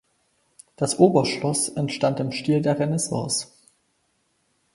Das Oberschloss entstand im Stil der Renaissance.